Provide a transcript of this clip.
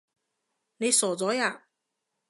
你傻咗呀？